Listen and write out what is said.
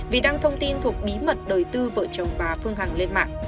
vì đăng thông tin thuộc bí mật đời tư vợ chồng bà phương hằng lên mạng